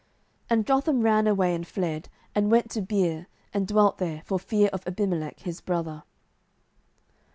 07:009:021 And Jotham ran away, and fled, and went to Beer, and dwelt there, for fear of Abimelech his brother.